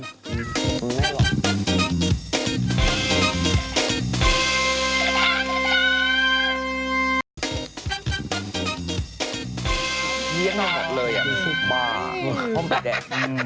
เยี่ยมมากเลย